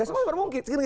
ya semua itu mungkin